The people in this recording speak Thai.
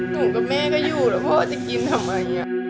กับแม่ก็อยู่แล้วพ่อจะกินทำไม